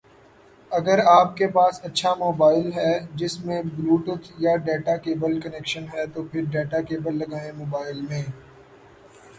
اگر آپ کے پاس اچھا موبائل ہے جس میں بلوٹوتھ یا ڈیٹا کیبل کنیکشن ہے تو پھر ڈیٹا کیبل لگائیں موبائل میں